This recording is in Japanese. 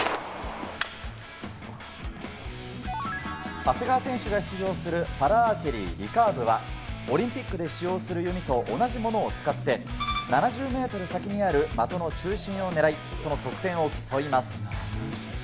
長谷川選手が出場するパラアーチェリー、リカーブはオリンピックで使用する弓と同じものを使って７０ｍ先にある的の中心を狙い、その得点を競います。